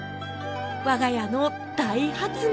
我が家の大発明！